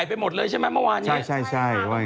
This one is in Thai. พี่รอบรับนะคะประกวดกำลังที่ซงหวงที่เลยนะคะ